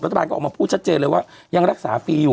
รัฐบาลก็ออกมาพูดชัดเจนเลยว่ายังรักษาฟรีอยู่